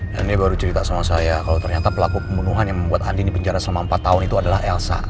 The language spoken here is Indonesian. dan dia baru cerita sama saya kalau ternyata pelaku pembunuhan yang membuat andin dipenjara selama empat tahun itu adalah elsa